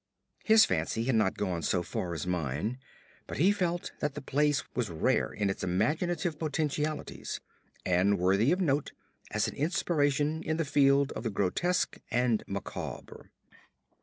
His fancy had not gone so far as mine, but he felt that the place was rare in its imaginative potentialities, and worthy of note as an inspiration in the field of the grotesque and macabre.